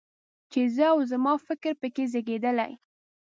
چې زه او زما فکر په کې زېږېدلی.